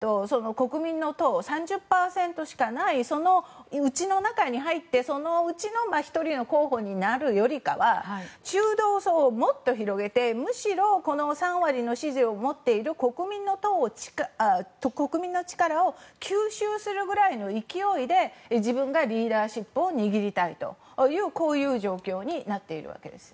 なのでユン・ソクヨルさんの立場からすれば早々と国民の党３０％しかない中に入ってそのうちの１人の候補になるよりかは中道層をもっと広げてむしろこの３割の支持を持っている国民の力を吸収するくらいの勢いで自分がリーダーシップを握りたいという状況になっているわけです。